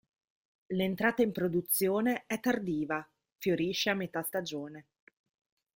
L'entrata in produzione è tardiva; fiorisce a metà stagione.